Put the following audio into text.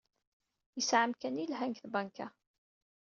Yesɛa amkan yelhan deg tbanka.